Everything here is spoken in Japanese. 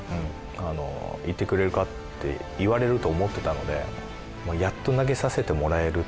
「いってくれるか？」って言われると思ってたので。